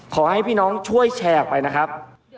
ขอให้พี่น้องช่วยแชร์ออกไปนะครับ